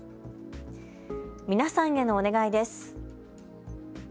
皆さんへのお願いです。